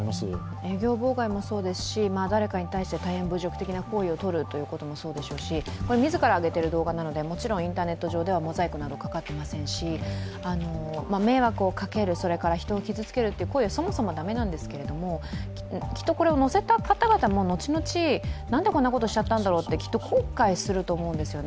営業妨害もそうですし、誰かに対して大変侮辱的な行為をとるということもそうですし、自らあげている動画なのでもちろんインターネット上ではモザイクなどかかっていませんし迷惑をかける、人を傷つけるという行為はそもそも駄目なんですけども、きっとこれを載せた方々も、何でこんなことしちゃったんだろうってきっと後悔すると思うんですよね。